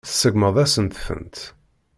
Tseggmeḍ-asent-tent.